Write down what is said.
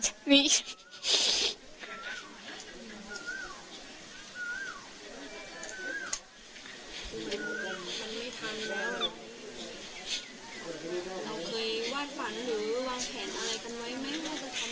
เคยวาดฝันหรือวางแถนอะไรกันไว้ไหม